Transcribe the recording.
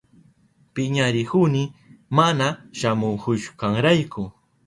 Piñarihuni mana shamuhushkanrayku.